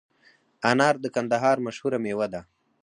انار د کندهار مشهوره میوه ده